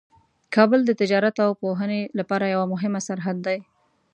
کابل د تجارت او پوهنې لپاره یوه مهمه سرحد ده.